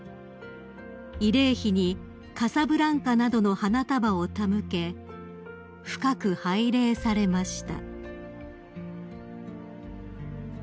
［慰霊碑にカサブランカなどの花束を手向け深く拝礼されました］